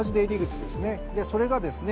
それがですね